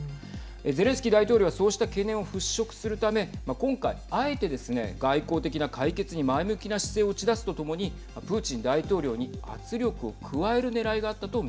ゼレンスキー大統領はそうした懸念を払拭するため今回、あえてですね外交的な解決に前向きな姿勢を打ち出すとともにプーチン大統領に圧力を加えるはい。